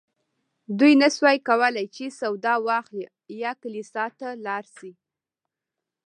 دوی نه شوای کولی چې سودا واخلي یا کلیسا ته لاړ شي.